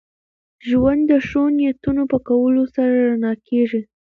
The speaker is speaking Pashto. ژوند د ښو نیتونو په کولو سره رڼا کېږي.